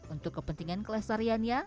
untuk kepentingan kelesariannya